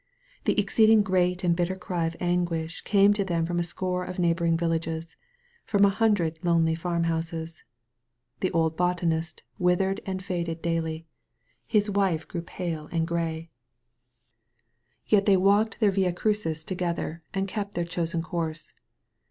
The exceeding great and bitter cry of anguish came to them from a score of neighboring villages, ' from a hundred lonely farmhouses. The old botan ist withered and faded daily; his wife grew pale £1 THE VALLEY OP VISION and gray. Yet they walked their via cnuns together, and kept their chosen course.